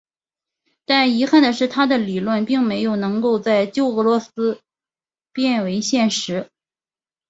但遗憾的是他的理论并没有能够在旧俄罗斯变为现实。